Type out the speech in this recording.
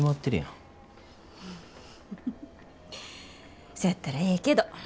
フフフフそやったらええけど。